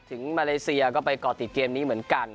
มาเลเซียก็ไปก่อติดเกมนี้เหมือนกัน